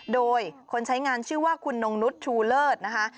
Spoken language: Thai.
โดยคนใช้งานชื่อว่าคุณนงนุษย์ชูเลิศนะคะ